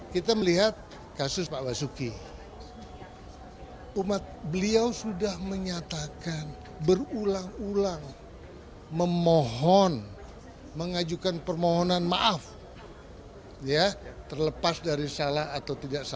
kita melihat kasus pak basuki umat beliau sudah menyatakan berulang ulang memohon mengajukan permohonan maaf ya terlepas dari salah atau tidak salah